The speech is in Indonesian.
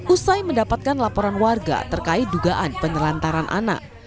usai mendapatkan laporan warga terkait dugaan penelantaran anak